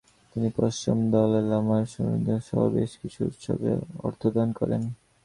তিনি পঞ্চম দলাই লামার স্মরণসভা সহ বেশ কিছু উৎসবে অর্থদান করেন।